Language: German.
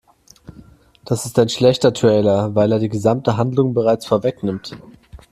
Das ist ein schlechter Trailer, weil er die gesamte Handlung bereits vorwegnimmt.